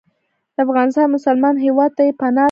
د افغانستان مسلمان هیواد ته یې پناه راوړې ده.